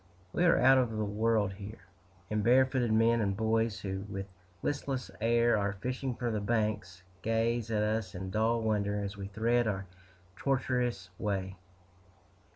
We are out of the world, here; and barefooted men and boys, who with listless air are fishing from the banks, gaze at us in dull wonder as we thread our tortuous way.